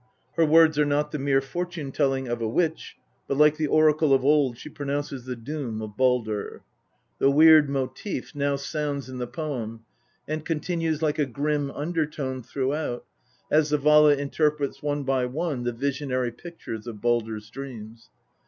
Her words are not the mere fortune telling of a witch, but like the oracle of old she pro nounces the doom of Baldr. The Weird motive now sounds in the poem, and continues like a grim undertone throughout as the Vala interprets one by one the visionary pictures of Baldr's dreams.